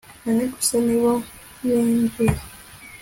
bane gusa ni bo binjiye